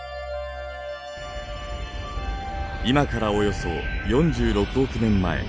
今からおよそ４６億年前。